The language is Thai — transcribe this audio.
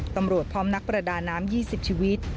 พร้อมนักประดาน้ำ๒๐ชีวิต